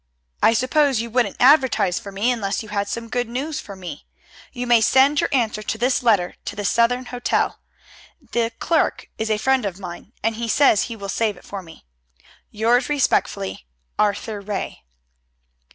I suppose you wouldn't advertise for me unless you had some good news for me. You may send your answer to this letter to the Southern Hotel. The clerk is a friend of mine, and he says he will save it for me. Yours respectfully, Arthur Ray.